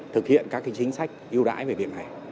thực hiện các chính sách ưu đãi về việc này